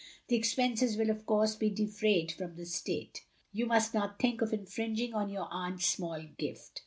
The expenses will of course be defrayed from the estate. You must not think of infringing on your aunt's small gift.